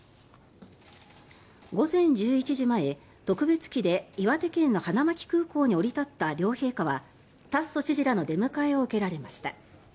午前１１時前、特別機で岩手県の花巻空港に降り立った両陛下は達増知事らの出迎えを受けられました。